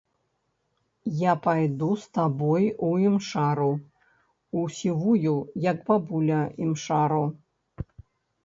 Я пайду з табой у імшару, у сівую, як бабуля, імшару!